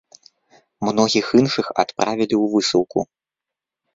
Многіх іншых адправілі ў высылку.